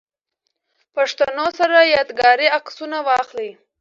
پښتنو سره ياد ګاري عکسونه واخلئ